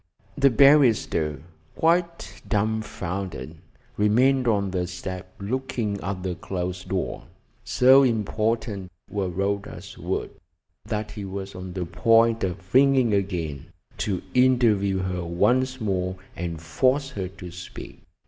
The barrister, quite dumbfounded, remained on the step looking at the closed door. So important were Rhoda's words that he was on the point of ringing again, to interview her once more and force her to speak.